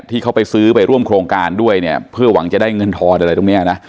ที่เขาไปซื้อไปร่วมโครงการด้วยเนี่ยเพื่อหวังจะได้เงินทอนอะไรตรงเนี้ยนะ